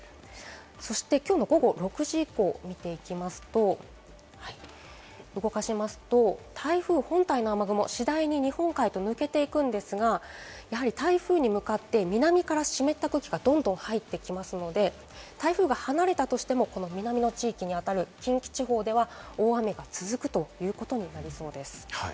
きょうの午後６時以降を見ていきますと、動かしますと、台風本体の雨雲、次第に日本海へと抜けていくんですが、台風に向かって南から湿った空気がどんどん入ってきますので、台風が離れたとしても南の地域にあたる近畿地方では大雨が続くということになりそうです。